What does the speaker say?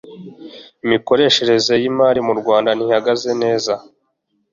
imikoreshereze y imali mu rwanda ntihagaze neza